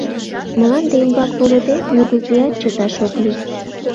Мланде ӱмбак волыде, нигузеат чыташ ок лий.